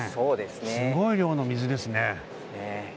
すごい量の水ですね。